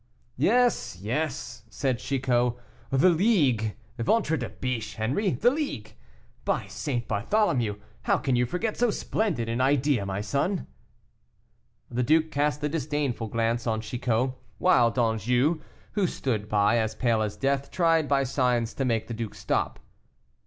"Yes, yes," said Chicot, "the League; ventre de biche, Henri, the League. By St. Bartholomew! how can you forget so splendid an idea, my son?" The duke cast a disdainful glance on Chicot, while d'Anjou, who stood by, as pale as death, tried by signs, to make the duke stop.